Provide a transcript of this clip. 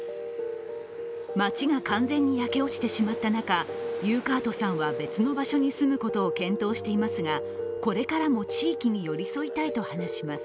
町が完全に焼け落ちてしまった中、ユーカートさんは別の場所に住むことを検討していますがこれからも地域に寄り添いたいと話します。